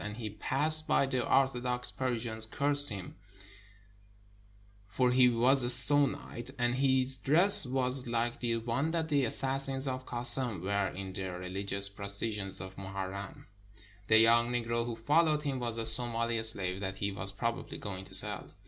As he passed by, the Orthodox Persians cursed him, for he was a Sunnite, and his dress was like the one that the assassins of Kassem wear in the religious procession of Mohar rem. The young Negro who followed him was a Somali slave that he was probably going to sell.